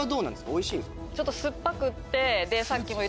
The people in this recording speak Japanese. おいしいんですか？